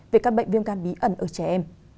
về các bệnh viêm gan bí ẩn ở trẻ em